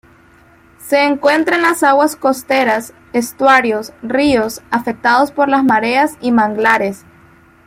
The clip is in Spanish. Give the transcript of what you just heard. Se encuentra en las aguas costeras, estuarios, ríos afectados por las mareas y manglares.